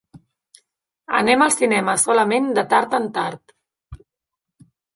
Anem al cinema solament de tard en tard.